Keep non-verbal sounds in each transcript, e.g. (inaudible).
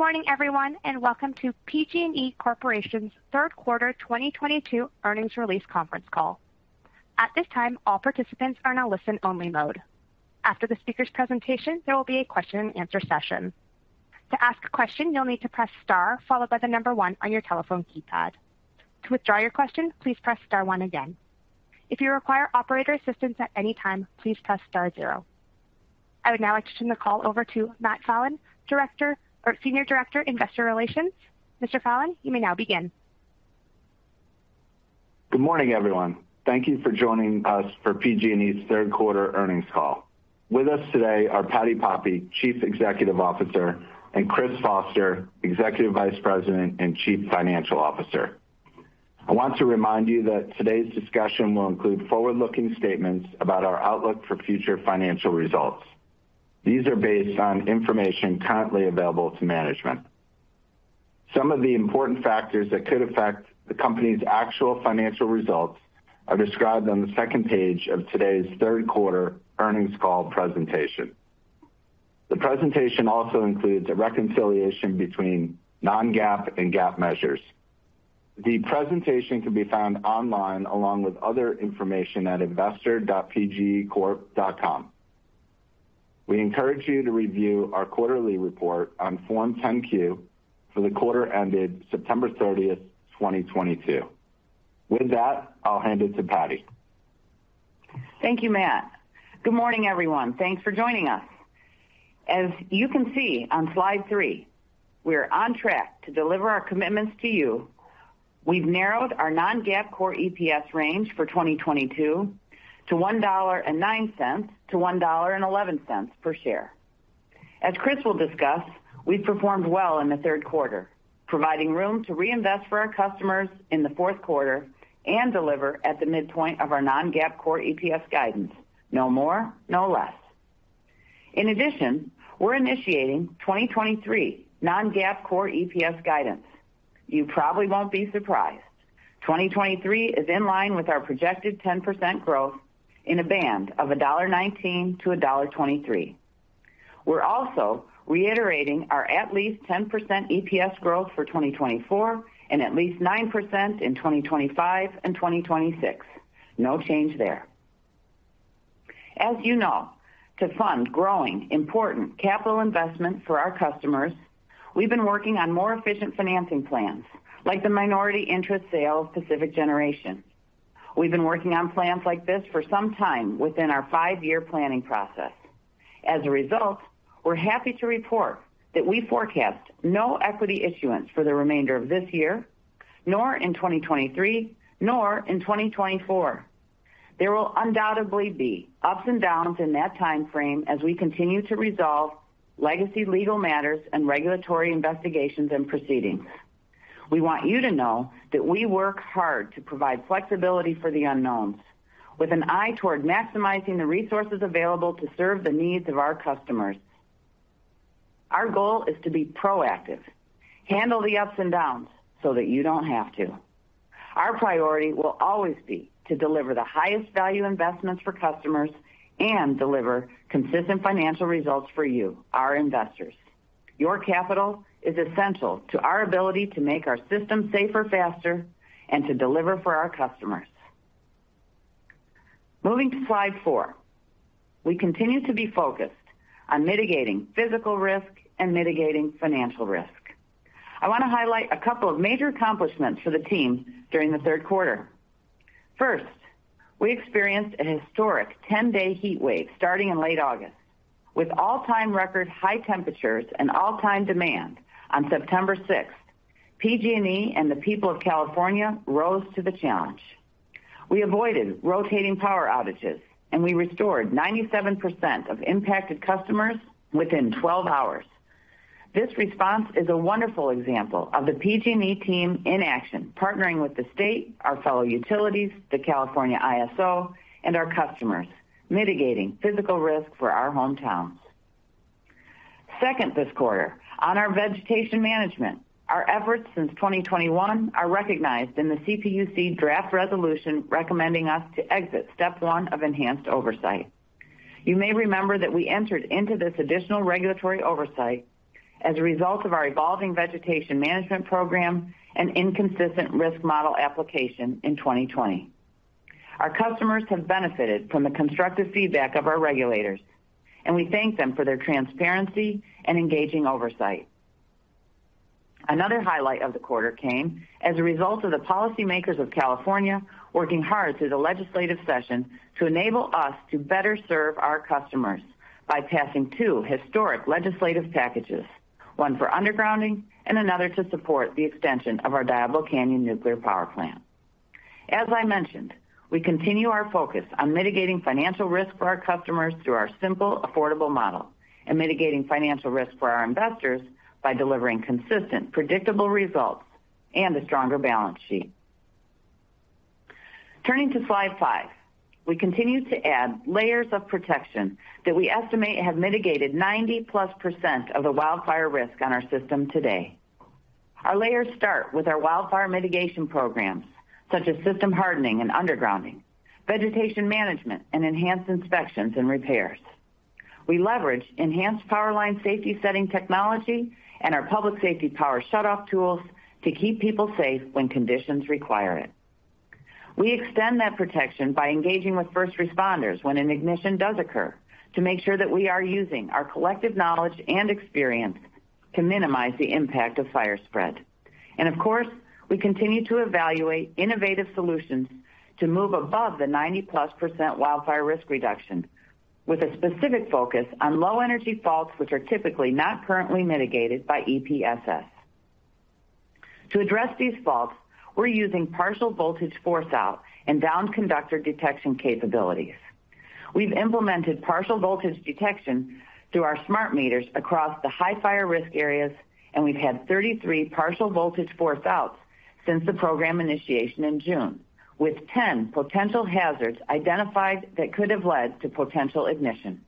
Good morning, everyone, and welcome to PG&E Corporation's Q3 2022 earnings release conference call. At this time, all participants are in a listen-only mode. After the speaker's presentation, there will be a question-and-answer session. To ask a question, you'll need to press Star followed by the number one on your telephone keypad. To withdraw your question, please press Star one again. If you require operator assistance at any time, please press Star zero. I would now like to turn the call over to Matt Fallon, Director or Senior Director, Investor Relations. Mr. Fallon, you may now begin. Good morning, everyone. Thank you for joining us for PG&E's Q3 earnings call. With us today are Patti Poppe, Chief Executive Officer, and Chris Foster, Executive Vice President and Chief Financial Officer. I want to remind you that today's discussion will include forward-looking statements about our outlook for future financial results. These are based on information currently available to management. Some of the important factors that could affect the company's actual financial results are described on the second page of today's Q3 earnings call presentation. The presentation also includes a reconciliation between non-GAAP and GAAP measures. The presentation can be found online along with other information at investor.pgecorp.com. We encourage you to review our quarterly report on Form 10-Q for the quarter ended 30 September, 2022. With that, I'll hand it to Patti. Thank you, Matt. Good morning, everyone. Thanks for joining us. As you can see on slide three, we are on track to deliver our commitments to you. We've narrowed our non-GAAP core EPS range for 2022 to $1.09 to $1.11 per share. As Chris will discuss, we've performed well in the Q3, providing room to reinvest for our customers in the Q4 and deliver at the midpoint of our non-GAAP core EPS guidance. No more, no less. In addition, we're initiating 2023 non-GAAP core EPS guidance. You probably won't be surprised. 2023 is in line with our projected 10% growth in a band of $1.19 to $1.23. We're also reiterating our at least 10% EPS growth for 2024 and at least 9% in 2025 and 2026. No change there. As you know, to fund growing important capital investments for our customers, we've been working on more efficient financing plans like the minority interest sale of Pacific Generation. We've been working on plans like this for some time within our five year planning process. As a result, we're happy to report that we forecast no equity issuance for the remainder of this year, nor in 2023, nor in 2024. There will undoubtedly be ups and downs in that timeframe as we continue to resolve legacy legal matters and regulatory investigations and proceedings. We want you to know that we work hard to provide flexibility for the unknowns with an eye toward maximizing the resources available to serve the needs of our customers. Our goal is to be proactive, handle the ups and downs so that you don't have to. Our priority will always be to deliver the highest value investments for customers and deliver consistent financial results for you, our investors. Your capital is essential to our ability to make our system safer, faster, and to deliver for our customers. Moving to slide four. We continue to be focused on mitigating physical risk and mitigating financial risk. I want to highlight a couple of major accomplishments for the team during the Q3. First, we experienced a historic 10 days heatwave starting in late August. With all-time record high temperatures and all-time demand on 6th September, PG&E and the people of California rose to the challenge. We avoided rotating power outages, and we restored 97% of impacted customers within 12 hours. This response is a wonderful example of the PG&E team in action, partnering with the state, our fellow utilities, the California ISO, and our customers, mitigating physical risk for our hometowns. Second, this quarter, on our vegetation management, our efforts since 2021 are recognized in the CPUC draft resolution recommending us to exit step one of enhanced oversight. You may remember that we entered into this additional regulatory oversight as a result of our evolving vegetation management program and inconsistent risk model application in 2020. Our customers have benefited from the constructive feedback of our regulators, and we thank them for their transparency and engaging oversight. Another highlight of the quarter came as a result of the policymakers of California working hard through the legislative session to enable us to better serve our customers by passing two historic legislative packages, one for undergrounding and another to support the extension of our Diablo Canyon Nuclear Power Plant. As I mentioned, we continue our focus on mitigating financial risk for our customers through our simple, affordable model and mitigating financial risk for our investors by delivering consistent, predictable results and a stronger balance sheet. Turning to slide five. We continue to add layers of protection that we estimate have mitigated 90%+ of the wildfire risk on our system today. Our layers start with our wildfire mitigation programs, such as system hardening and undergrounding, vegetation management, and enhanced inspections and repairs. We leverage enhanced power line safety setting technology and our public safety power shutoff tools to keep people safe when conditions require it. We extend that protection by engaging with first responders when an ignition does occur to make sure that we are using our collective knowledge and experience to minimize the impact of fire spread. Of course, we continue to evaluate innovative solutions to move above the 90%+ wildfire risk reduction, with a specific focus on low energy faults, which are typically not currently mitigated by EPSS. To address these faults, we're using partial voltage force out and down conductor detection capabilities. We've implemented partial voltage detection through our smart meters across the high fire risk areas, and we've had 33 partial voltage force outs since the program initiation in June, with 10 potential hazards identified that could have led to potential ignition.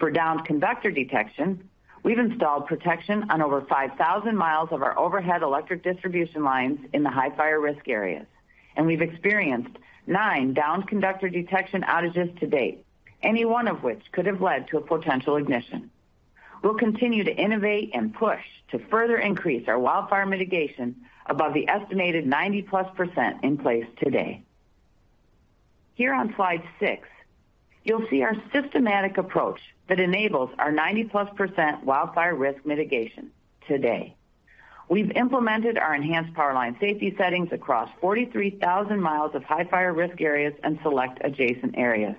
For downed conductor detection, we've installed protection on over 5,000 mi of our overhead electric distribution lines in the high fire risk areas, and we've experienced nine downed conductor detection outages to date, any one of which could have led to a potential ignition. We'll continue to innovate and push to further increase our wildfire mitigation above the estimated 90%+ in place today. Here on slide six, you'll see our systematic approach that enables our 90%+ wildfire risk mitigation today. We've implemented our enhanced power line safety settings across 43,000 mi of high fire risk areas and select adjacent areas.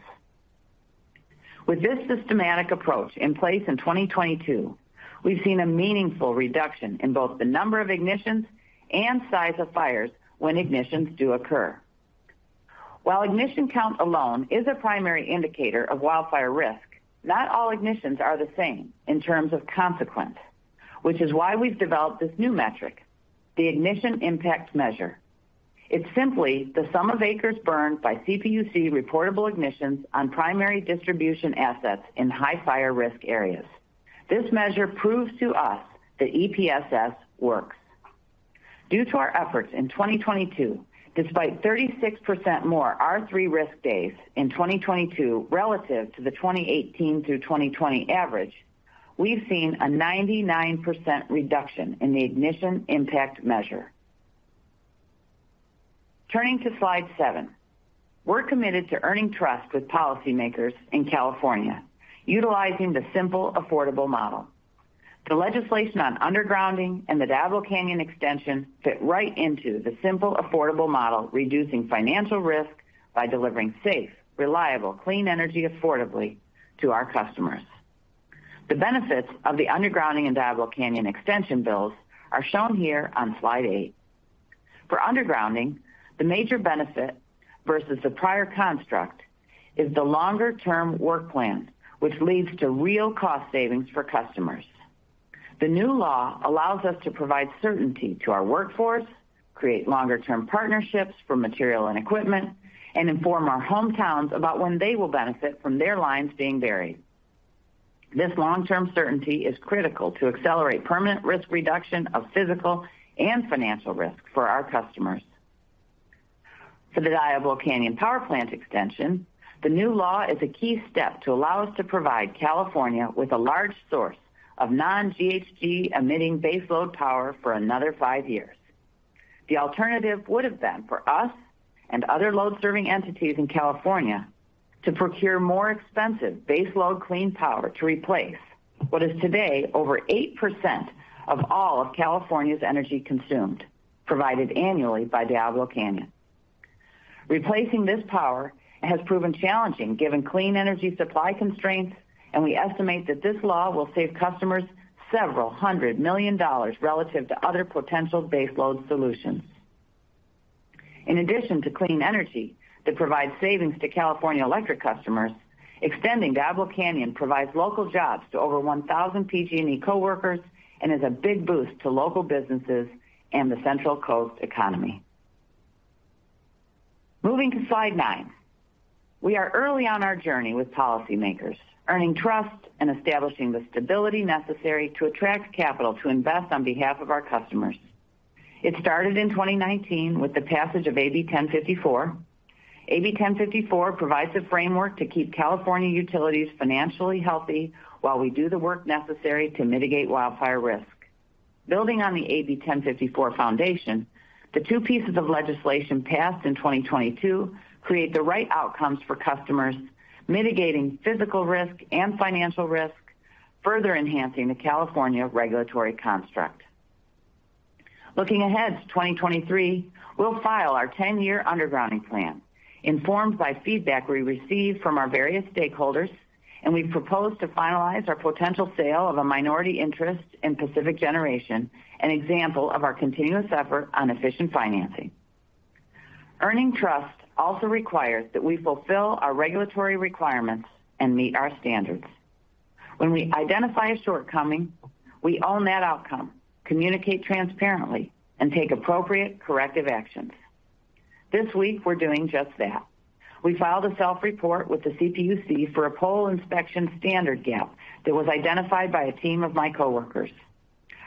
With this systematic approach in place in 2022, we've seen a meaningful reduction in both the number of ignitions and size of fires when ignitions do occur. While ignition count alone is a primary indicator of wildfire risk, not all ignitions are the same in terms of consequence, which is why we've developed this new metric, the Ignition Impact Measure. It's simply the sum of acres burned by CPUC reportable ignitions on primary distribution assets in high fire risk areas. This measure proves to us that EPSS works. Due to our efforts in 2022, despite 36% more R3 risk days in 2022 relative to the 2018 through 2020 average, we've seen a 99% reduction in the ignition impact measure. Turning to slide seven. We're committed to earning trust with policymakers in California, utilizing the simple, affordable model. The legislation on undergrounding and the Diablo Canyon extension fit right into the simple, affordable model, reducing financial risk by delivering safe, reliable, clean energy affordably to our customers. The benefits of the undergrounding and Diablo Canyon extension bills are shown here on slide eight. For undergrounding, the major benefit versus the prior construct is the longer term work plan, which leads to real cost savings for customers. The new law allows us to provide certainty to our workforce, create longer term partnerships for material and equipment, and inform our hometowns about when they will benefit from their lines being buried. This long-term certainty is critical to accelerate permanent risk reduction of physical and financial risk for our customers. For the Diablo Canyon Power Plant extension, the new law is a key step to allow us to provide California with a large source of non-GHG emitting baseload power for another five years. The alternative would have been for us and other load-serving entities in California to procure more expensive baseload clean power to replace what is today over 8% of all of California's energy consumed, provided annually by Diablo Canyon. Replacing this power has proven challenging given clean energy supply constraints, and we estimate that this law will save customers $700 million relative to other potential baseload solutions. In addition to clean energy that provides savings to California electric customers, extending Diablo Canyon provides local jobs to over 1,000 PG&E coworkers and is a big boost to local businesses and the Central Coast economy. Moving to slide nine. We are early on our journey with policymakers, earning trust and establishing the stability necessary to attract capital to invest on behalf of our customers. It started in 2019 with the passage of AB 1054. AB 1054 provides a framework to keep California utilities financially healthy while we do the work necessary to mitigate wildfire risk. Building on the AB 1054 foundation, the two pieces of legislation passed in 2022 create the right outcomes for customers mitigating physical risk and financial risk, further enhancing the California regulatory construct. Looking ahead to 2023, we'll file our 10-year undergrounding plan informed by feedback we receive from our various stakeholders, and we propose to finalize our potential sale of a minority interest in Pacific Generation, an example of our continuous effort on efficient financing. Earning trust also requires that we fulfill our regulatory requirements and meet our standards. When we identify a shortcoming, we own that outcome, communicate transparently, and take appropriate corrective actions. This week, we're doing just that. We filed a self-report with the CPUC for a pole inspection standard gap that was identified by a team of my coworkers.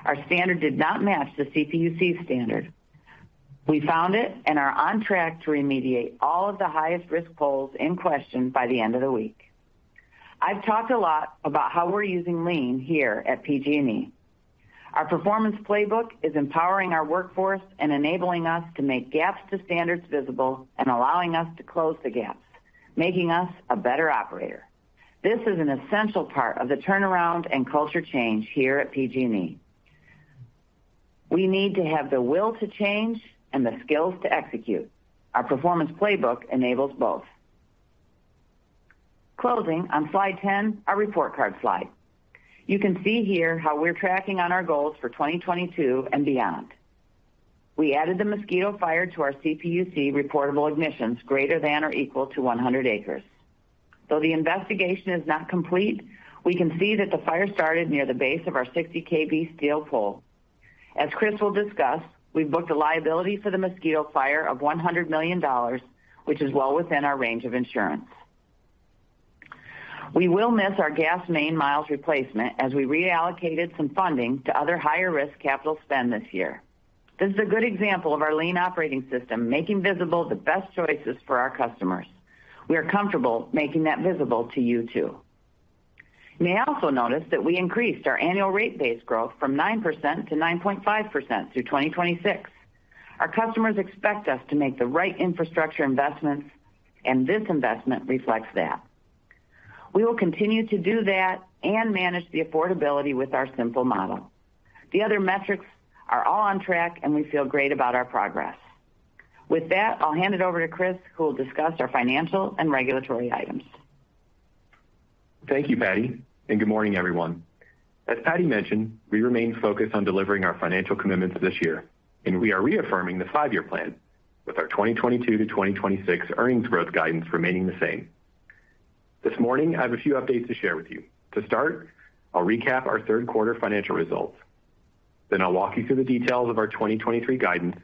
Our standard did not match the CPUC standard. We found it and are on track to remediate all of the highest risk poles in question by the end of the week. I've talked a lot about how we're using Lean here at PG&E. Our performance playbook is empowering our workforce and enabling us to make gaps to standards visible and allowing us to close the gaps, making us a better operator. This is an essential part of the turnaround and culture change here at PG&E. We need to have the will to change and the skills to execute. Our performance playbook enables both. Closing on slide 10, our report card slide. You can see here how we're tracking on our goals for 2022 and beyond. We added the Mosquito Fire to our CPUC reportable ignitions greater than or equal to 100 acres. Though the investigation is not complete, we can see that the fire started near the base of our 60 kV steel pole. As Chris will discuss, we've booked a liability for the Mosquito Fire of $100 million, which is well within our range of insurance. We will miss our gas main mi replacement as we reallocated some funding to other higher risk capital spend this year. This is a good example of our Lean operating system making visible the best choices for our customers. We are comfortable making that visible to you too. You may also notice that we increased our annual rate base growth from 9% to 9.5% through 2026. Our customers expect us to make the right infrastructure investments, and this investment reflects that. We will continue to do that and manage the affordability with our simple model. The other metrics are all on track, and we feel great about our progress. With that, I'll hand it over to Chris, who will discuss our financial and regulatory items. Thank you, Patti, and good morning, everyone. As Patti mentioned, we remain focused on delivering our financial commitments this year, and we are reaffirming the five-year plan with our 2022 to 2026 earnings growth guidance remaining the same. This morning, I have a few updates to share with you. To start, I'll recap our Q3 financial results. Then I'll walk you through the details of our 2023 guidance.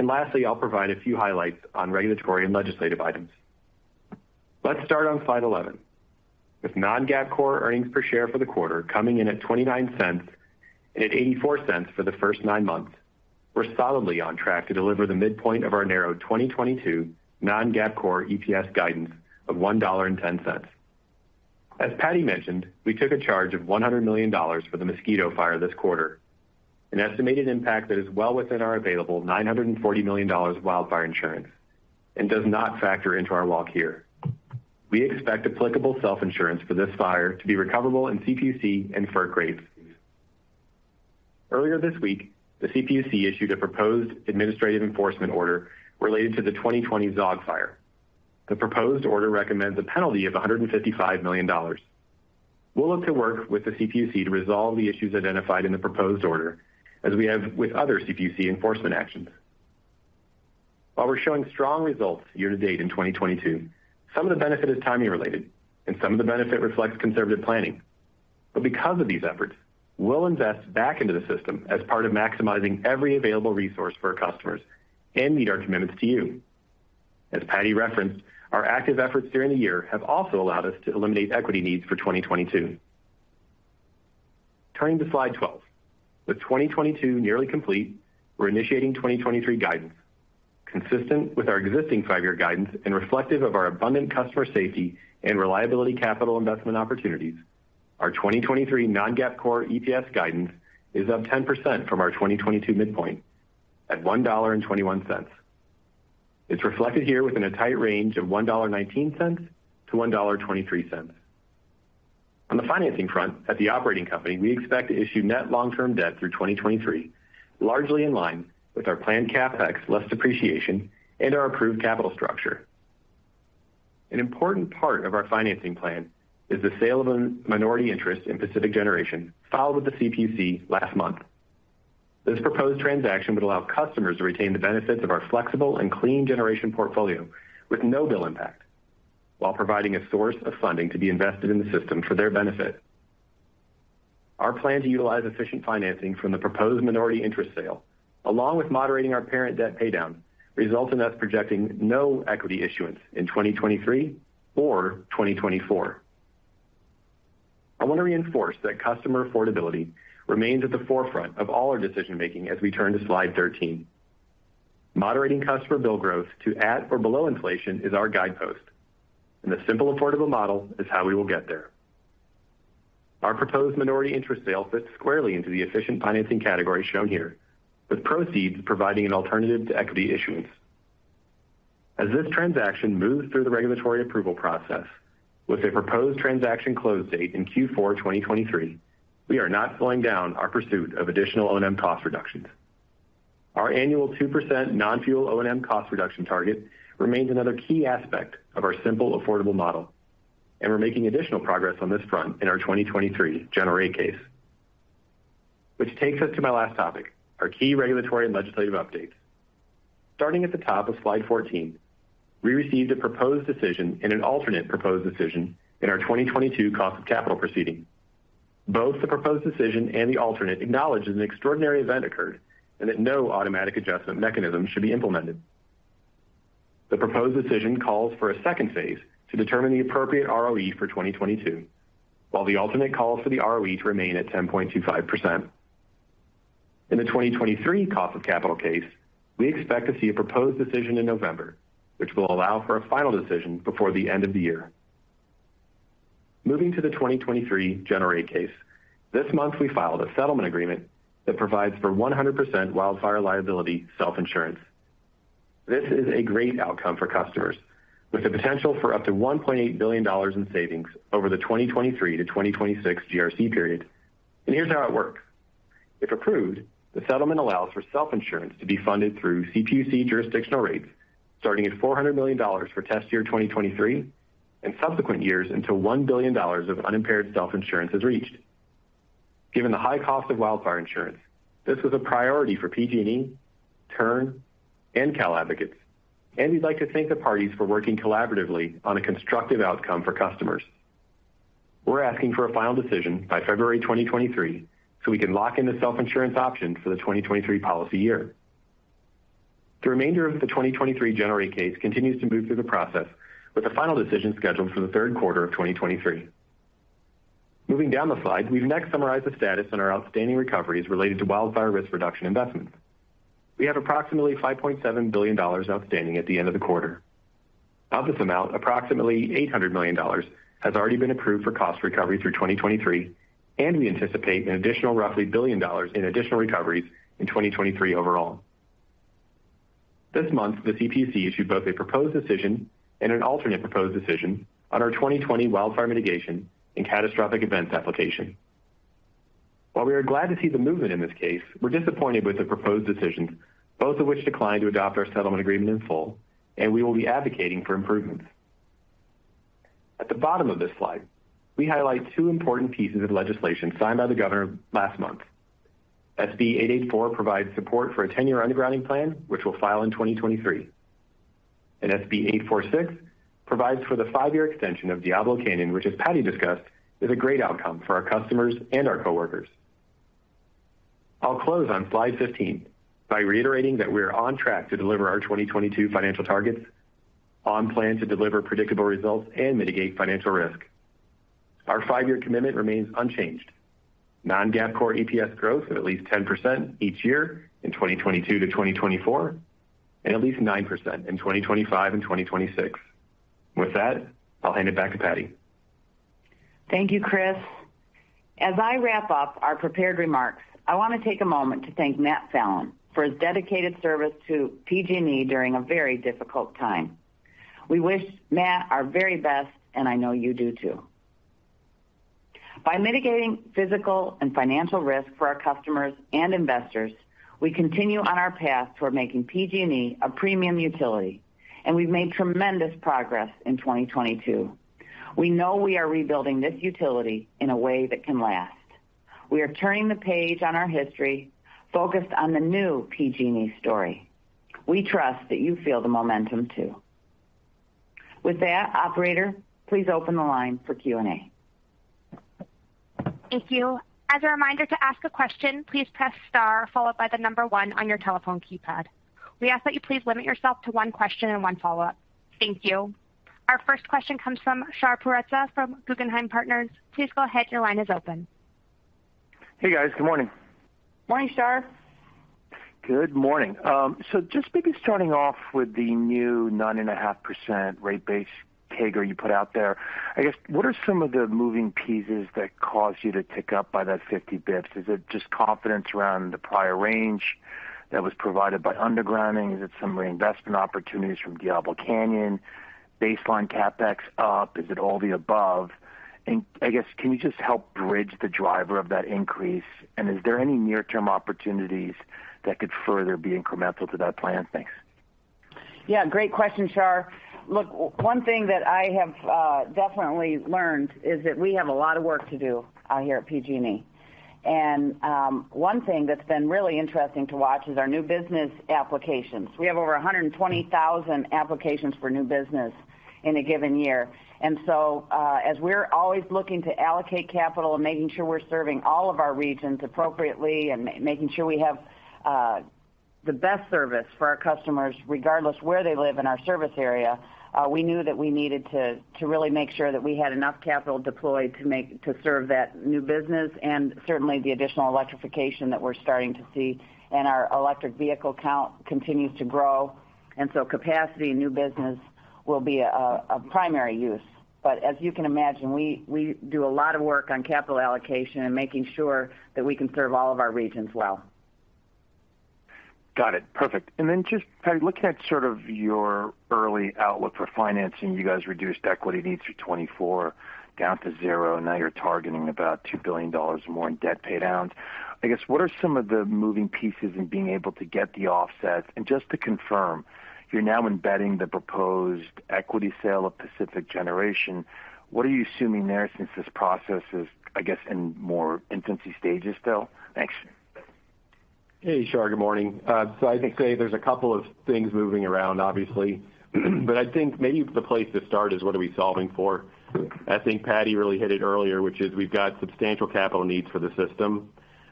Lastly, I'll provide a few highlights on regulatory and legislative items. Let's start on slide 11. With non-GAAP core earnings per share for the quarter coming in at $0.29 and at $0.84 for the first nine months, we're solidly on track to deliver the midpoint of our narrow 2022 non-GAAP core EPS guidance of $1.10. As Patti mentioned, we took a charge of $100 million for the Mosquito Fire this quarter, an estimated impact that is well within our available $940 million wildfire insurance and does not factor into our walk here. We expect applicable self-insurance for this fire to be recoverable in CPUC and FERC rates. Earlier this week, the CPUC issued a proposed administrative enforcement order related to the 2020 Zogg Fire. The proposed order recommends a penalty of $155 million. We'll look to work with the CPUC to resolve the issues identified in the proposed order, as we have with other CPUC enforcement actions. While we're showing strong results year to date in 2022, some of the benefit is timing related, and some of the benefit reflects conservative planning. Because of these efforts, we'll invest back into the system as part of maximizing every available resource for our customers and meet our commitments to you. As Patti referenced, our active efforts during the year have also allowed us to eliminate equity needs for 2022. Turning to slide 12. With 2022 nearly complete, we're initiating 2023 guidance consistent with our existing five-year guidance and reflective of our abundant customer safety and reliability capital investment opportunities. Our 2023 non-GAAP core EPS guidance is up 10% from our 2022 midpoint at $1.21. It's reflected here within a tight range of $1.19 to $1.23. On the financing front, at the operating company, we expect to issue net long-term debt through 2023, largely in line with our planned CapEx less depreciation and our approved capital structure. An important part of our financing plan is the sale of a minority interest in Pacific Generation filed with the CPUC last month. This proposed transaction would allow customers to retain the benefits of our flexible and clean generation portfolio with no bill impact, while providing a source of funding to be invested in the system for their benefit. Our plan to utilize efficient financing from the proposed minority interest sale, along with moderating our parent debt paydown, results in us projecting no equity issuance in 2023 or 2024. I want to reinforce that customer affordability remains at the forefront of all our decision-making as we turn to slide 13. Moderating customer bill growth to at or below inflation is our guidepost, and the simple, affordable model is how we will get there. Our proposed minority interest sale fits squarely into the efficient financing category shown here, with proceeds providing an alternative to equity issuance. As this transaction moves through the regulatory approval process with a proposed transaction close date in Q4 2023, we are not slowing down our pursuit of additional O&M cost reductions. Our annual 2% non-fuel O&M cost reduction target remains another key aspect of our simple, affordable model, and we're making additional progress on this front in our 2023 General Rate Case. Which takes us to my last topic, our key regulatory and legislative updates. Starting at the top of slide 14, we received a proposed decision and an alternate proposed decision in our 2022 cost of capital proceeding. Both the proposed decision and the alternate acknowledges an extraordinary event occurred and that no automatic adjustment mechanism should be implemented. The proposed decision calls for a second phase to determine the appropriate ROE for 2022, while the alternate calls for the ROE to remain at 10.25%. In the 2023 cost of capital case, we expect to see a proposed decision in November, which will allow for a final decision before the end of the year. Moving to the 2023 GRC, this month we filed a settlement agreement that provides for 100% wildfire liability self-insurance. This is a great outcome for customers with the potential for up to $1.8 billion in savings over the 2023 to 2026 GRC period. Here's how it works. If approved, the settlement allows for self-insurance to be funded through CPUC jurisdictional rates, starting at $400 million for test year 2023 and subsequent years until $1 billion of unimpaired self-insurance is reached. Given the high cost of wildfire insurance, this was a priority for PG&E, TURN, and Cal Advocates, and we'd like to thank the parties for working collaboratively on a constructive outcome for customers. We're asking for a final decision by February 2023, so we can lock in the self-insurance option for the 2023 policy year. The remainder of the 2023 GRC continues to move through the process with a final decision scheduled for the Q3 of 2023. Moving down the slide, we've next summarized the status on our outstanding recoveries related to wildfire risk reduction investments. We have approximately $5.7 billion outstanding at the end of the quarter. Of this amount, approximately $800 million has already been approved for cost recovery through 2023, and we anticipate an additional roughly $1 billion in additional recoveries in 2023 overall. This month, the CPUC issued both a proposed decision and an alternate proposed decision on our 2020 wildfire mitigation and catastrophic events application. While we are glad to see the movement in this case, we're disappointed with the proposed decisions, both of which declined to adopt our settlement agreement in full, and we will be advocating for improvements. At the bottom of this slide, we highlight two important pieces of legislation signed by the governor last month. SB 884 provides support for a 10-year undergrounding plan, which we'll file in 2023. SB 846 provides for the five-year extension of Diablo Canyon, which, as Patti discussed, is a great outcome for our customers and our coworkers. I'll close on slide 15 by reiterating that we are on track to deliver our 2022 financial targets on plan to deliver predictable results and mitigate financial risk. Our five-year commitment remains unchanged. non-GAAP core EPS growth of at least 10% each year in 2022-2024, and at least 9% in 2025 and 2026. With that, I'll hand it back to Patti. Thank you, Chris. As I wrap up our prepared remarks, I wanna take a moment to thank Matt Fallon for his dedicated service to PG&E during a very difficult time. We wish Matt our very best, and I know you do too. By mitigating physical and financial risk for our customers and investors, we continue on our path toward making PG&E a premium utility, and we've made tremendous progress in 2022. We know we are rebuilding this utility in a way that can last. We are turning the page on our history, focused on the new PG&E story. We trust that you feel the momentum too. With that, operator, please open the line for Q&A. Thank you. As a reminder to ask a question, please press star followed by the number one on your telephone keypad. We ask that you please limit yourself to one question and one follow-up. Thank you. Our first question comes from Shar Pourreza from Guggenheim Partners. Please go ahead. Your line is open. Hey, guys. Good morning. Morning, Shar. Good morning. So just maybe starting off with the new 9.5% rate base (inaudible) you put out there. I guess, what are some of the moving pieces that caused you to tick up by that 50 basis points? Is it just confidence around the prior range that was provided by undergrounding? Is it some reinvestment opportunities from Diablo Canyon baseline CapEx up? Is it all the above? I guess, can you just help bridge the driver of that increase? Is there any near-term opportunities that could further be incremental to that plan? Thanks. Yeah, great question, Shar. Look, one thing that I have definitely learned is that we have a lot of work to do here at PG&E. One thing that's been really interesting to watch is our new business applications. We have over 120,000 applications for new business in a given year. As we're always looking to allocate capital and making sure we're serving all of our regions appropriately and making sure we have the best service for our customers regardless where they live in our service area, we knew that we needed to really make sure that we had enough capital deployed to serve that new business and certainly the additional electrification that we're starting to see. Our electric vehicle count continues to grow, and so capacity and new business will be a primary use. But as you can imagine, we do a lot of work on capital allocation and making sure that we can serve all of our regions well. Got it. Perfect. Just, Patti, looking at sort of your early outlook for financing, you guys reduced equity needs through 2024 down to zero, and now you're targeting about $2 billion more in debt pay downs. I guess, what are some of the moving pieces in being able to get the offsets? Just to confirm, you're now embedding the proposed equity sale of Pacific Generation. What are you assuming there since this process is, I guess, in more infancy stages still? Thanks. Hey, Shar. Good morning. I'd just say there's a couple of things moving around, obviously. I think maybe the place to start is what are we solving for? I think Patti really hit it earlier, which is we've got substantial capital needs for the system.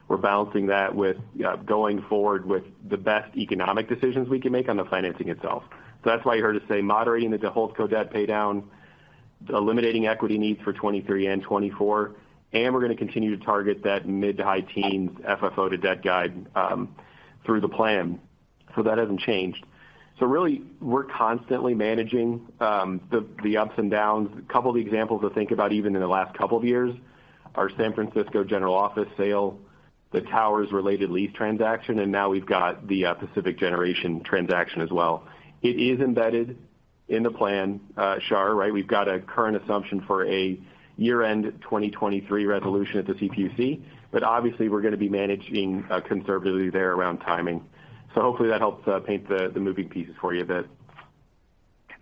We're balancing that with going forward with the best economic decisions we can make on the financing itself. That's why you heard us say moderating the Holdco debt paydown, eliminating equity needs for 2023 and 2024, and we're gonna continue to target that mid to high teens FFO to debt guide through the plan. That hasn't changed. Really, we're constantly managing the ups and downs. A couple of the examples to think about even in the last couple of years are San Francisco general office sale, the towers-related lease transaction, and now we've got the Pacific Generation transaction as well. It is embedded in the plan, Shar, right? We've got a current assumption for a year-end 2023 resolution at the CPUC, but obviously we're gonna be managing conservatively there around timing. Hopefully that helps paint the moving pieces for you a bit.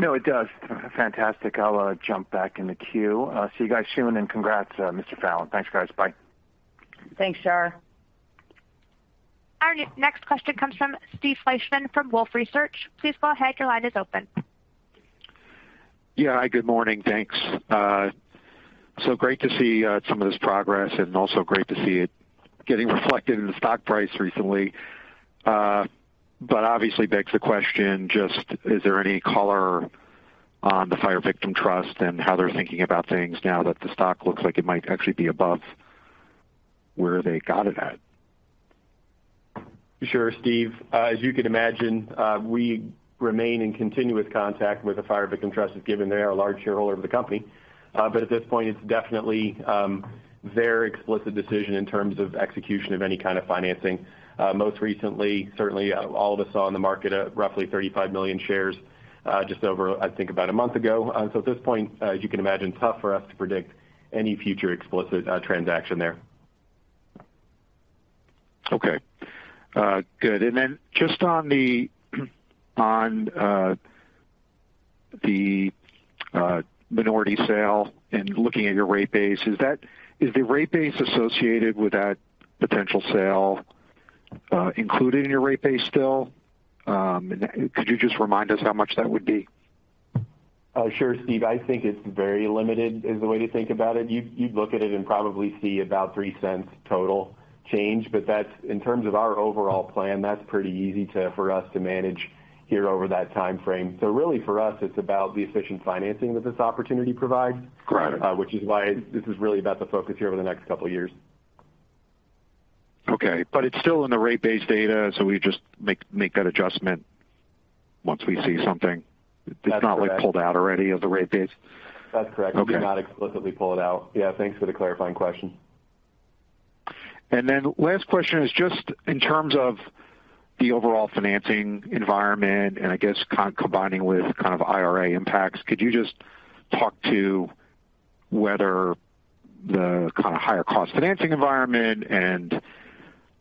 No, it does. Fantastic. I'll jump back in the queue. I'll see you guys soon, and congrats, Mr. Fallon. Thanks, guys. Bye. Thanks, Shar. Our next question comes from Steve Fleishman from Wolfe Research. Please go ahead. Your line is open. Yeah. Good morning. Thanks. Great to see some of this progress and also great to see it getting reflected in the stock price recently. Obviously begs the question just is there any color on the Fire Victim Trust and how they're thinking about things now that the stock looks like it might actually be above where they got it at? Sure, Steve. As you can imagine, we remain in continuous contact with the Fire Victim Trust, given they're a large shareholder of the company. At this point, it's definitely their explicit decision in terms of execution of any kind of financing. Most recently, certainly, all of us saw in the market, roughly 35 million shares, just over, I think, about a month ago. At this point, as you can imagine, tough for us to predict any future explicit transaction there. Just on the minority sale and looking at your rate base, is the rate base associated with that potential sale included in your rate base still? Could you just remind us how much that would be? Sure, Steve. I think it's very limited is the way to think about it. You'd look at it and probably see about $0.03 total change, but that's, in terms of our overall plan, pretty easy for us to manage here over that timeframe. Really for us, it's about the efficient financing that this opportunity provides. Got it. which is why this is really about the focus here over the next couple of years. Okay. It's still in the rate base data, so we just make that adjustment once we see something. That's correct. It's not, like, pulled out or any of the rate base? That's correct. Okay. We do not explicitly pull it out. Yeah. Thanks for the clarifying question. Last question is just in terms of the overall financing environment and I guess combining with kind of IRA impacts, could you just talk to whether the kind of higher cost financing environment and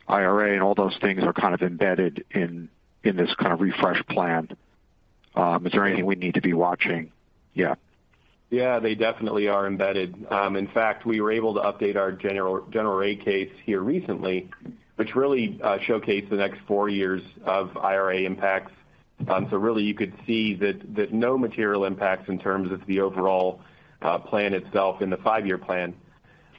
IRA and all those things are kind of embedded in this kind of refresh plan? Is there anything we need to be watching? Yeah. Yeah. They definitely are embedded. In fact, we were able to update our general rate case here recently, which really showcased the next four years of IRA impacts. So really you could see that no material impacts in terms of the overall plan itself in the five-year plan.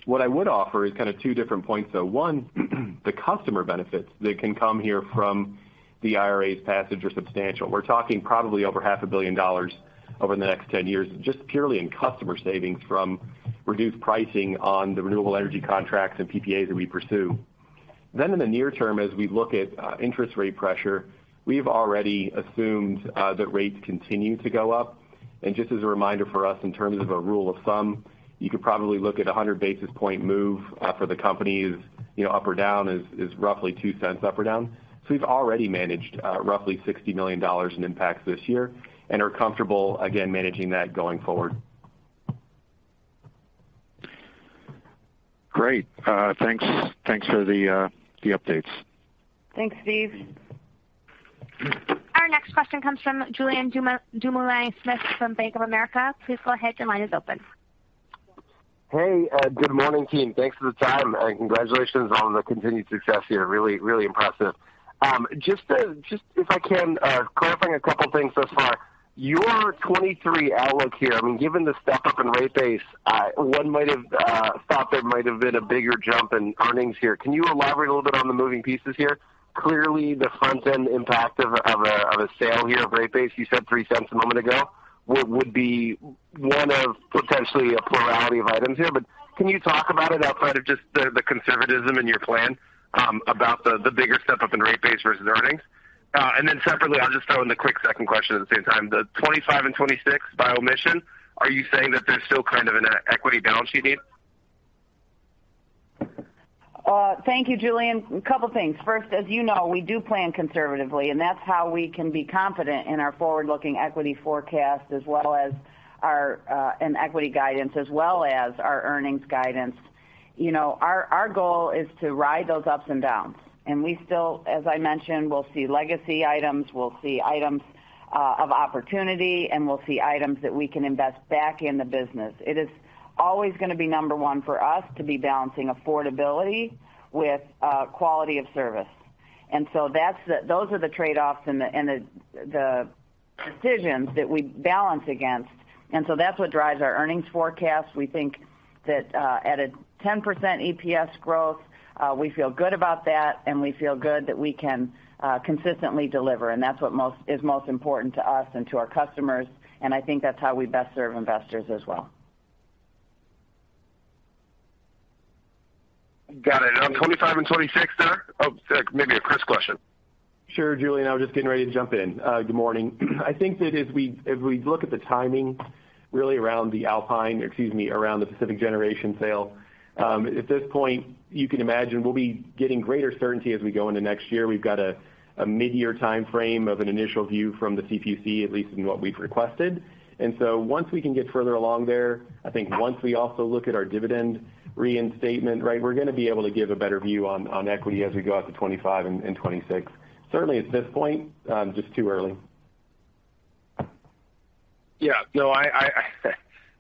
What I would offer is kind of two different points, though. One, the customer benefits that can come here from the IRA's passage are substantial. We're talking probably over half a billion dollars over the next 10 years, just purely in customer savings from reduced pricing on the renewable energy contracts and PPAs that we pursue. In the near term, as we look at interest rate pressure, we've already assumed that rates continue to go up. Just as a reminder for us, in terms of a rule of thumb, you could probably look at 100 basis point move for the company's, you know, up or down is roughly $0.02 up or down. We've already managed roughly $60 million in impacts this year and are comfortable again managing that going forward. Great. Thanks. Thanks for the updates. Thanks, Steve. Our next question comes from Julien Dumoulin-Smith from Bank of America. Please go ahead. Your line is open. Hey, good morning, team. Thanks for the time, and congratulations on the continued success here. Really impressive. If I can clarify a couple of things thus far. Your 2023 outlook here, I mean, given the step-up in rate base, one might have thought there might have been a bigger jump in earnings here. Can you elaborate a little bit on the moving pieces here? Clearly, the front-end impact of a sale here of rate base, you said $0.03 a moment ago, would be one of potentially a plurality of items here. Can you talk about it outside of just the conservatism in your plan about the bigger step-up in rate base versus earnings? Separately, I'll just throw in the quick second question at the same time. The 2025 and 2026 by omission, are you saying that there's still kind of an equity balance sheet need? Thank you, Julien. A couple of things. First, as you know, we do plan conservatively, and that's how we can be confident in our forward-looking equity forecast as well as our equity guidance, as well as our earnings guidance. You know, our goal is to ride those ups and downs. We still, as I mentioned, will see legacy items, we'll see items of opportunity, and we'll see items that we can invest back in the business. It is always gonna be number one for us to be balancing affordability with quality of service. Those are the trade-offs and the decisions that we balance against. That's what drives our earnings forecast. We think that at a 10% EPS growth, we feel good about that and we feel good that we can consistently deliver, and that's what most important to us and to our customers, and I think that's how we best serve investors as well. Got it. On 25 and 26, there? Oh, maybe a Chris question. Sure, Julien Dumoulin-Smith. I was just getting ready to jump in. Good morning. I think that if we look at the timing really around the Pacific Generation sale, at this point, you can imagine we'll be getting greater certainty as we go into next year. We've got a mid-year timeframe of an initial view from the CPUC, at least in what we've requested. Once we can get further along there, I think once we also look at our dividend reinstatement, right, we're going to be able to give a better view on equity as we go out to 2025 and 2026. Certainly at this point, just too early. Yeah. No,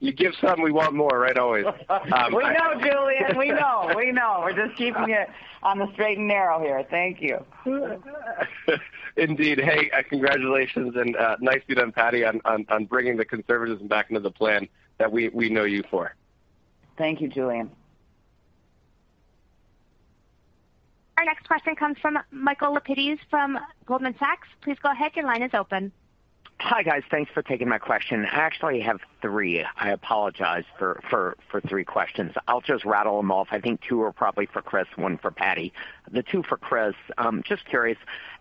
you give some, we want more, right? Always. We know, Julien. We're just keeping it on the straight and narrow here. Thank you. Indeed. Hey, congratulations and, nicely done, Patti, on bringing the conservatism back into the plan that we know you for. Thank you, Julien. Our next question comes from Michael Lapides from Goldman Sachs. Please go ahead. Your line is open. Hi, guys. Thanks for taking my question. I actually have three. I apologize for three questions. I'll just rattle them off. I think two are probably for Chris, one for Patti. The two for Chris, just curious,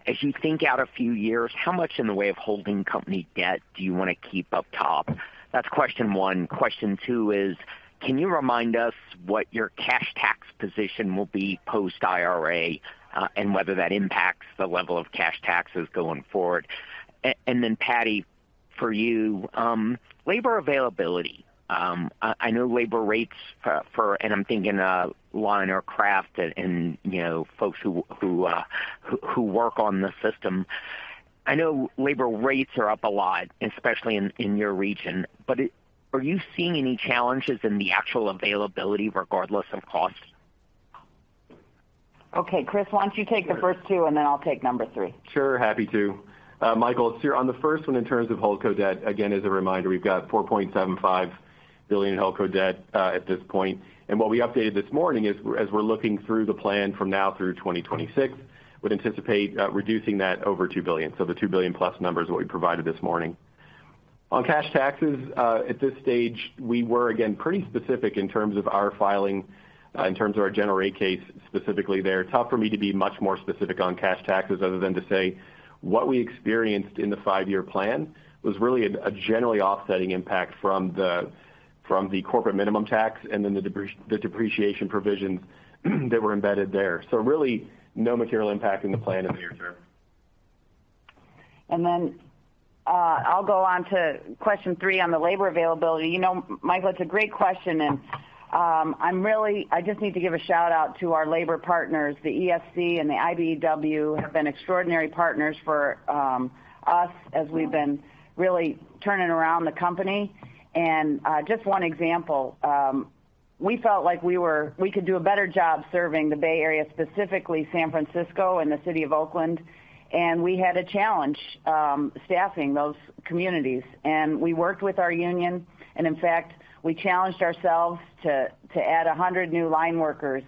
as you think out a few years, how much in the way of holding company debt do you want to keep up top? That's question one. Question two is, can you remind us what your cash tax position will be post-IRA, and whether that impacts the level of cash taxes going forward? And then, Patti, for you, labor availability. I know labor rates for, and I'm thinking of line or craft and, you know, folks who work on the system. I know labor rates are up a lot, especially in your region, but are you seeing any challenges in the actual availability regardless of costs? Okay, Chris, why don't you take the first two, and then I'll take number three. Sure. Happy to. Michael, so on the first one, in terms of Holdco debt, again, as a reminder, we've got $4.75 billion Holdco debt at this point. What we updated this morning is, as we're looking through the plan from now through 2026, would anticipate reducing that over $2 billion. The $2+ billion number is what we provided this morning. On cash taxes, at this stage, we were, again, pretty specific in terms of our filing, in terms of our general rate case, specifically there. Tough for me to be much more specific on cash taxes other than to say what we experienced in the five-year plan was really a generally offsetting impact from the corporate minimum tax and then the depreciation provisions that were embedded there. Really no material impact in the plan in the near term. I'll go on to question three on the labor availability. You know, Michael, it's a great question, and I just need to give a shout-out to our labor partners. The ESC and the IBEW have been extraordinary partners for us as we've been really turning around the company. Just one example, we could do a better job serving the Bay Area, specifically San Francisco and the city of Oakland. We had a challenge staffing those communities. We worked with our union, and in fact, we challenged ourselves to add 100 new line workers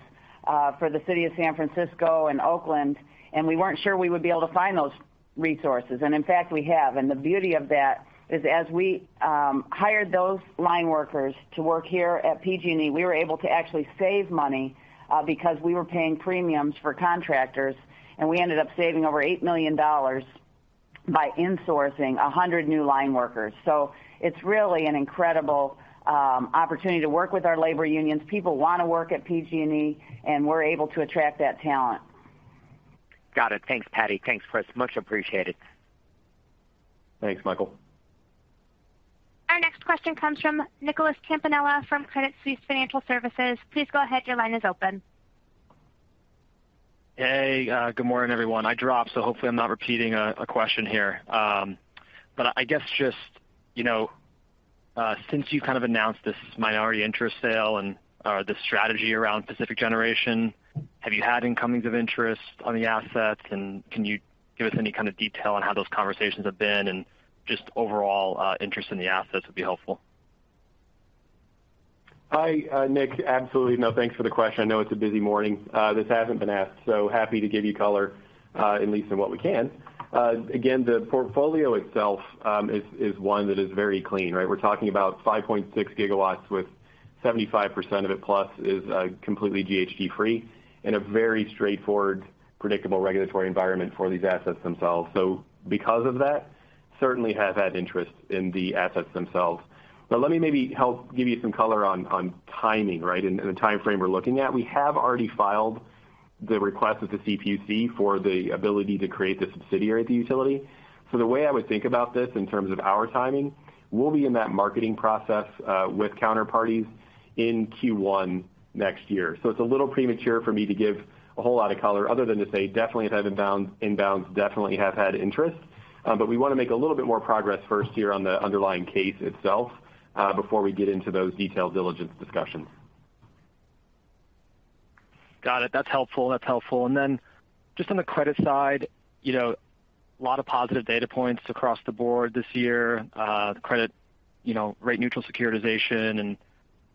for the city of San Francisco and Oakland, and we weren't sure we would be able to find those resources. In fact, we have. The beauty of that is, as we hired those line workers to work here at PG&E, we were able to actually save money, because we were paying premiums for contractors, and we ended up saving over $8 million by insourcing 100 new line workers. It's really an incredible opportunity to work with our labor unions. People want to work at PG&E, and we're able to attract that talent. Got it. Thanks, Patti. Thanks, Chris. Much appreciated. Thanks, Michael. Our next question comes from Nicholas Campanella from Credit Suisse Financial Services. Please go ahead. Your line is open. Hey, good morning, everyone. I dropped, so hopefully I'm not repeating a question here. I guess just, you know, since you kind of announced this minority interest sale and the strategy around Pacific Generation, have you had incoming interest on the assets? And can you give us any kind of detail on how those conversations have been and just overall interest in the assets would be helpful. Hi, Nick. Absolutely. No, thanks for the question. I know it's a busy morning. This hasn't been asked, so happy to give you color, at least in what we can. Again, the portfolio itself is one that is very clean, right? We're talking about 5.6 GW, with 75% of it plus is completely GHG-free in a very straightforward, predictable regulatory environment for these assets themselves. Because of that, certainly have had interest in the assets themselves. Let me maybe help give you some color on timing, right, and the timeframe we're looking at. We have already filed the request with the CPUC for the ability to create the subsidiary of the utility. The way I would think about this in terms of our timing, we'll be in that marketing process with counterparties in Q1 next year. It's a little premature for me to give a whole lot of color other than to say definitely have had inbounds, definitely have had interest. We want to make a little bit more progress first here on the underlying case itself before we get into those detailed diligence discussions. Got it. That's helpful. Just on the credit side, you know, a lot of positive data points across the board this year, the credit, you know, rate neutral securitization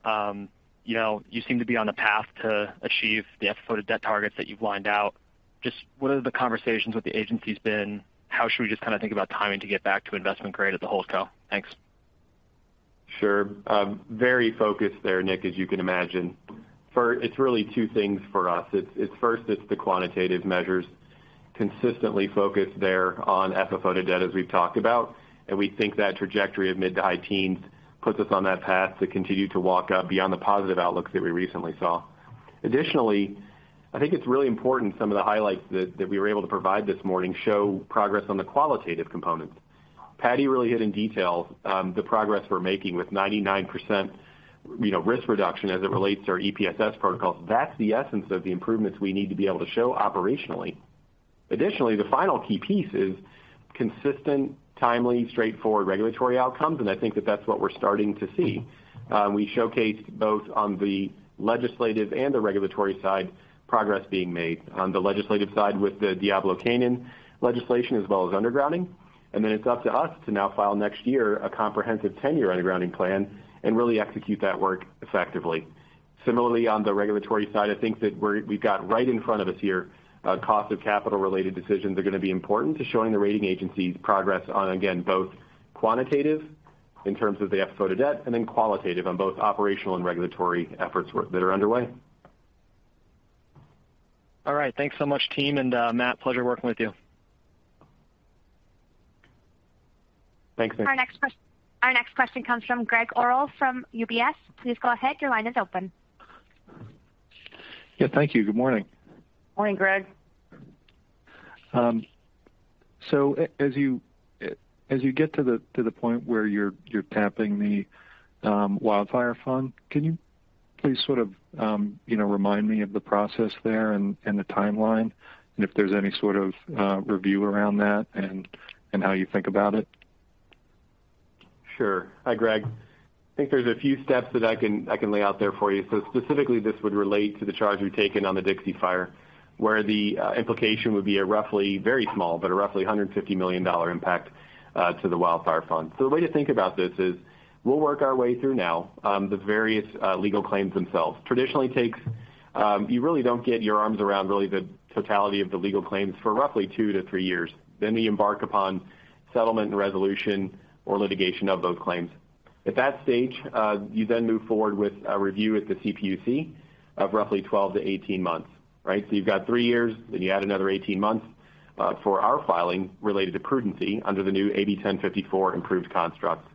and, you know, you seem to be on the path to achieve the FFO to debt targets that you've lined out. Just what are the conversations with the agencies been? How should we just kinda think about timing to get back to investment grade at the Holdco? Thanks. Sure. Very focused there, Nick, as you can imagine. It's really two things for us. It's first the quantitative measures consistently focused there on FFO to debt, as we've talked about, and we think that trajectory of mid to high teens puts us on that path to continue to walk up beyond the positive outlooks that we recently saw. Additionally, I think it's really important some of the highlights that we were able to provide this morning show progress on the qualitative components. Patti really hit in detail the progress we're making with 99%, you know, risk reduction as it relates to our EPSS protocols. That's the essence of the improvements we need to be able to show operationally. Additionally, the final key piece is consistent, timely, straightforward regulatory outcomes, and I think that's what we're starting to see. We showcased both on the legislative and the regulatory side progress being made on the legislative side with the Diablo Canyon legislation as well as undergrounding. Then it's up to us to now file next year a comprehensive 10-year undergrounding plan and really execute that work effectively. Similarly, on the regulatory side, I think that we've got right in front of us here, cost of capital related decisions are gonna be important to showing the rating agencies progress on, again, both quantitative in terms of the FFO to debt and then qualitative on both operational and regulatory efforts work that are underway. All right. Thanks so much, team. Matt, pleasure working with you. Thanks, Nick. Our next question comes from Gregg Orrill from UBS. Please go ahead. Your line is open. Yeah, thank you. Good morning. Morning, Gregg. As you get to the point where you're tapping the wildfire fund, can you please sort of, you know, remind me of the process there and the timeline, and if there's any sort of review around that and how you think about it? Sure. Hi, Greg. I think there's a few steps that I can lay out there for you. Specifically, this would relate to the charge we've taken on the Dixie Fire, where the implication would be a roughly very small but roughly $150 million impact to the wildfire fund. The way to think about this is we'll work our way through now the various legal claims themselves. Traditionally takes, you really don't get your arms around really the totality of the legal claims for roughly two years to three years. We embark upon settlement and resolution or litigation of those claims. At that stage, you then move forward with a review at the CPUC of roughly 12 months to 18 months, right? You've got three years, then you add another 18 months, for our filing related to prudence under the new AB 1054 improved constructs.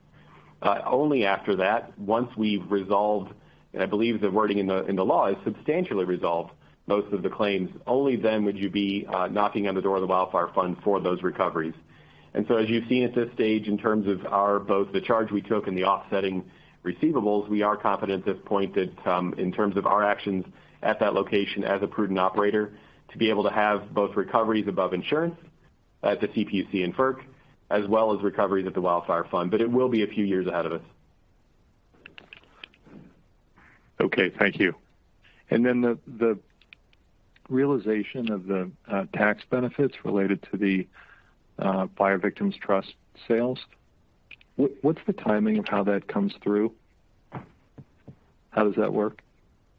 Only after that, once we've resolved, and I believe the wording in the law is substantially resolved most of the claims, only then would you be, knocking on the door of the wildfire fund for those recoveries. As you've seen at this stage, in terms of our both the charge we took and the offsetting receivables, we are confident at this point that, in terms of our actions at that location as a prudent operator, to be able to have both recoveries above insurance at the CPUC and FERC, as well as recoveries at the wildfire fund. It will be a few years ahead of us. Okay. Thank you. Then the realization of the tax benefits related to the Fire Victim Trust sales, what's the timing of how that comes through? How does that work?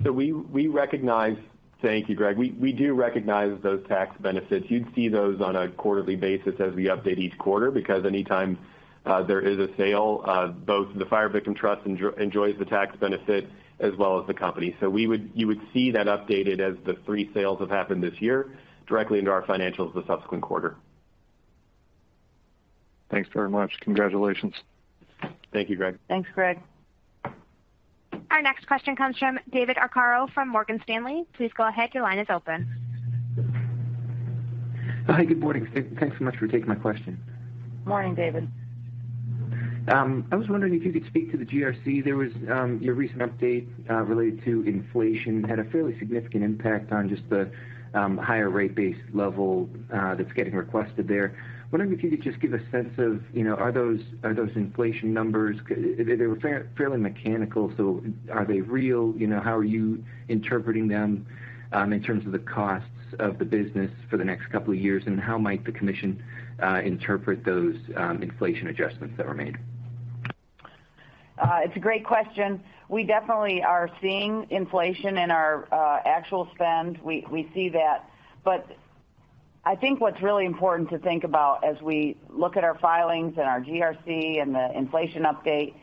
We recognize. Thank you, Gregg. We do recognize those tax benefits. You'd see those on a quarterly basis as we update each quarter, because anytime there is a sale, both the Fire Victim Trust enjoys the tax benefit as well as the company. You would see that updated as the three sales have happened this year directly into our financials the subsequent quarter. Thanks very much. Congratulations. Thank you, Gregg. Thanks, Gregg. Our next question comes from David Arcaro from Morgan Stanley. Please go ahead. Your line is open. Hi, good morning. Thanks so much for taking my question. Morning, David. I was wondering if you could speak to the GRC. There was your recent update related to inflation had a fairly significant impact on just the higher rate base level that's getting requested there. Wondering if you could just give a sense of, you know, are those inflation numbers. They were fairly mechanical, so are they real? You know, how are you interpreting them in terms of the costs of the business for the next couple of years, and how might the commission interpret those inflation adjustments that were made? It's a great question. We definitely are seeing inflation in our actual spend. We see that. I think what's really important to think about as we look at our filings and our GRC and the inflation update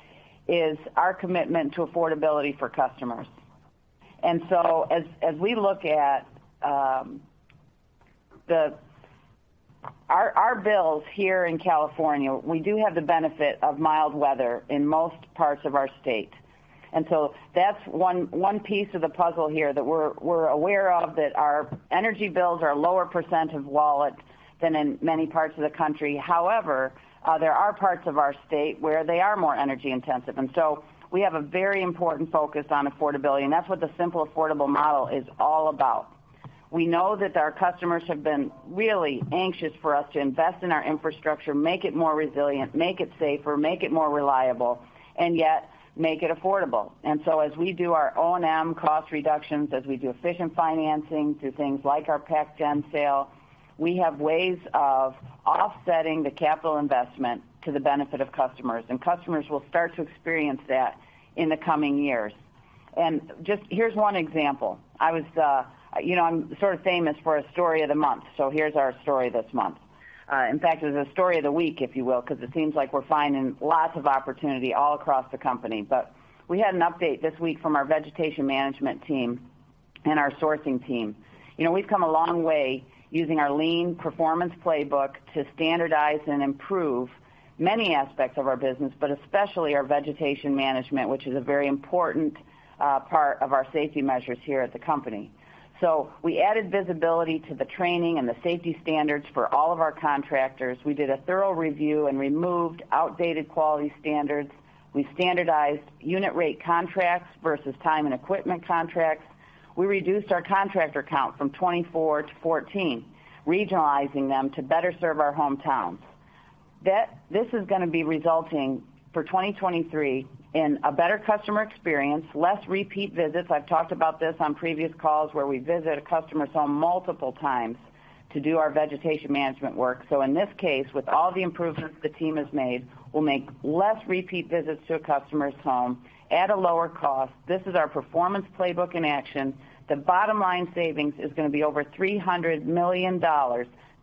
is our commitment to affordability for customers. As we look at our bills here in California, we do have the benefit of mild weather in most parts of our state. That's one piece of the puzzle here that we're aware of that our energy bills are a lower percent of wallet than in many parts of the country. However, there are parts of our state where they are more energy intensive, and so we have a very important focus on affordability, and that's what the simple, affordable model is all about. We know that our customers have been really anxious for us to invest in our infrastructure, make it more resilient, make it safer, make it more reliable, and yet make it affordable. As we do our O&M cost reductions, as we do efficient financing through things like our PacGen sale, we have ways of offsetting the capital investment to the benefit of customers, and customers will start to experience that in the coming years. Just here's one example. I was, you know, I'm sort of famous for a story of the month, so here's our story this month. In fact, it's a story of the week, if you will, because it seems like we're finding lots of opportunity all across the company. We had an update this week from our vegetation management team and our sourcing team. You know, we've come a long way using our lean performance playbook to standardize and improve many aspects of our business, but especially our vegetation management, which is a very important part of our safety measures here at the company. We added visibility to the training and the safety standards for all of our contractors. We did a thorough review and removed outdated quality standards. We standardized unit rate contracts versus time and equipment contracts. We reduced our contractor count from 24 to 14, regionalizing them to better serve our hometowns. This is gonna be resulting for 2023 in a better customer experience, less repeat visits. I've talked about this on previous calls, where we visit a customer sometimes multiple times to do our vegetation management work. In this case, with all the improvements the team has made, we'll make less repeat visits to a customer's home at a lower cost. This is our performance playbook in action. The bottom line savings is gonna be over $300 million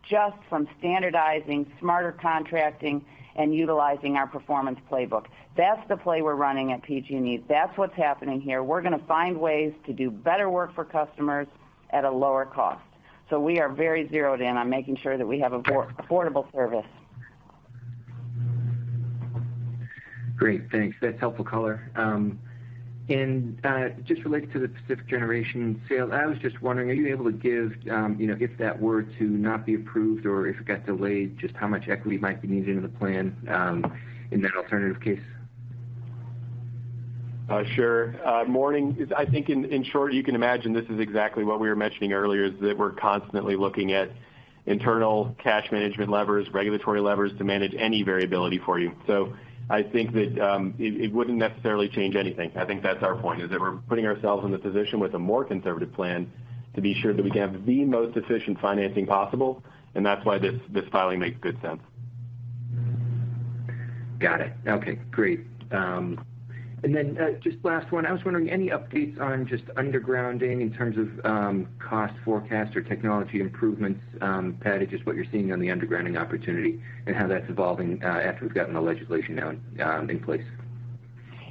just from standardizing smarter contracting and utilizing our performance playbook. That's the play we're running at PG&E. That's what's happening here. We're gonna find ways to do better work for customers at a lower cost. We are very zeroed in on making sure that we have a more affordable service. Great. Thanks. That's helpful color. Just related to the Pacific Generation sale, I was just wondering, are you able to give, you know, if that were to not be approved or if it got delayed, just how much equity might be needed in the plan, in that alternative case? Sure. Morning. It is, I think, in short, you can imagine this is exactly what we were mentioning earlier, is that we're constantly looking at internal cash management levers, regulatory levers to manage any variability for you. I think that it wouldn't necessarily change anything. I think that's our point, is that we're putting ourselves in the position with a more conservative plan to be sure that we can have the most efficient financing possible, and that's why this filing makes good sense. Got it. Okay, great. Just last one. I was wondering any updates on just undergrounding in terms of cost forecast or technology improvements, Patti, just what you're seeing on the undergrounding opportunity and how that's evolving after we've gotten the legislation now in place.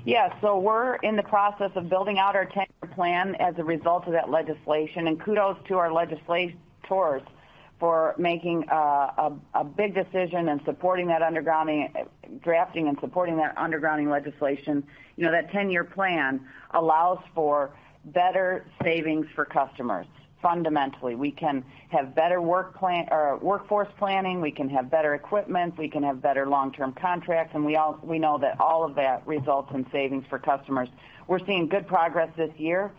Yeah. We're in the process of building out our 10-year plan as a result of that legislation. Kudos to our legislators for making a big decision in drafting and supporting that undergrounding legislation. You know, that 10-year plan allows for better savings for customers. Fundamentally, we can have better work plan or workforce planning, we can have better equipment, we can have better long-term contracts, and we know that all of that results in savings for customers. We're seeing good progress this year.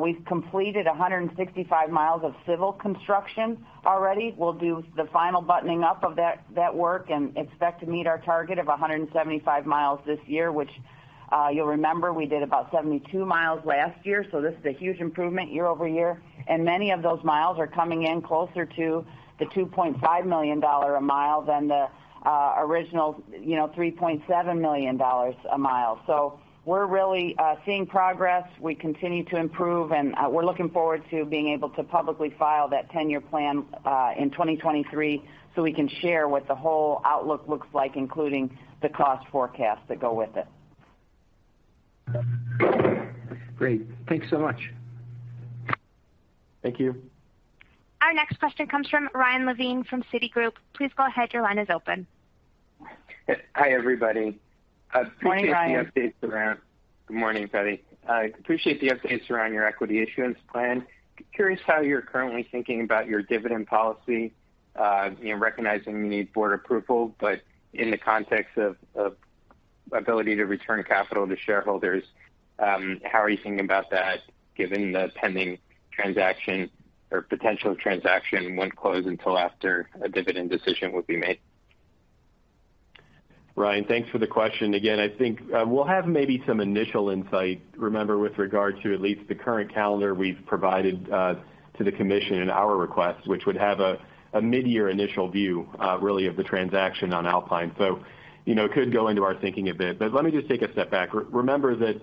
We've completed 165 mi of civil construction already. We'll do the final buttoning up of that work and expect to meet our target of 175 mi this year, which you'll remember we did about 72 mi last year. This is a huge improvement year-over-year. Many of those mi are coming in closer to the $2.5 million a mile than the, you know, original $3.7 million a mile. We're really seeing progress. We continue to improve, and we're looking forward to being able to publicly file that ten-year plan in 2023 so we can share what the whole outlook looks like, including the cost forecasts that go with it. Great. Thanks so much. Thank you. Our next question comes from Ryan Levine from Citigroup. Please go ahead. Your line is open. Hi, everybody. Morning, Ryan. Good morning, Patti. I appreciate the updates around your equity issuance plan. Curious how you're currently thinking about your dividend policy, you know, recognizing you need board approval, but in the context of ability to return capital to shareholders, how are you thinking about that given the pending transaction or potential transaction won't close until after a dividend decision would be made? Ryan, thanks for the question. Again, I think we'll have maybe some initial insight, remember, with regard to at least the current calendar we've provided to the commission in our request, which would have a mid-year initial view really of the transaction on Alpine. You know, it could go into our thinking a bit, but let me just take a step back. Remember that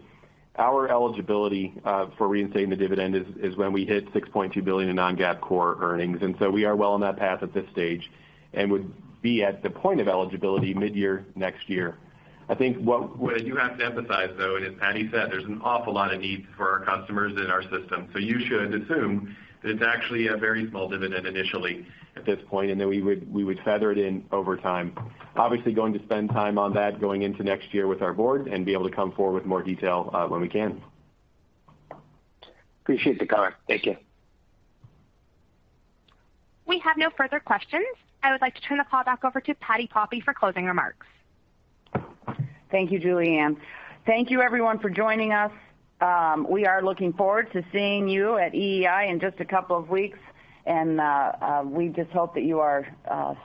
our eligibility for reinstating the dividend is when we hit $6.2 billion in non-GAAP core earnings, and so we are well on that path at this stage and would be at the point of eligibility mid-year next year. I think what we do have to emphasize, though, as Patti said, there's an awful lot of needs for our customers in our system. You should assume that it's actually a very small dividend initially at this point, and then we would feather it in over time. Obviously, going to spend time on that going into next year with our board and be able to come forward with more detail, when we can. Appreciate the comment. Thank you. We have no further questions. I would like to turn the call back over to Patti Poppe for closing remarks. Thank you, Julianne. Thank you everyone for joining us. We are looking forward to seeing you at EEI in just a couple of weeks, and we just hope that you are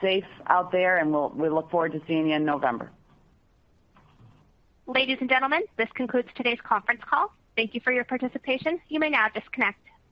safe out there, and we look forward to seeing you in November. Ladies and gentlemen, this concludes today's conference call. Thank you for your participation. You may now disconnect.